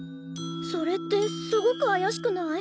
それってすごくあやしくない？